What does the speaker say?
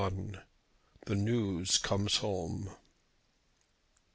THE NEWS COMES HOME.